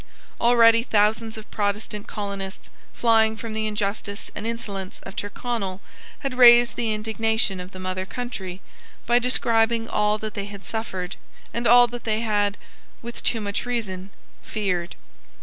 Already thousands of Protestant colonists, flying from the injustice and insolence of Tyrconnel, had raised the indignation of the mother country by describing all that they had suffered, and all that they had, with too much reason, feared.